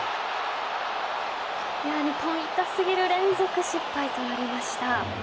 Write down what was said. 日本、痛すぎる連続失敗となりました。